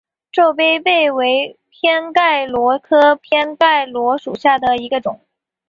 皱杯贝为偏盖螺科偏盖螺属下的一个种。